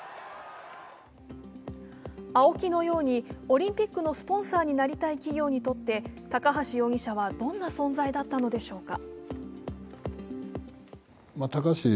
ＡＯＫＩのようにオリンピックのスポンサーになりたい企業にとって高橋容疑者はどんな存在だったのでしょうか。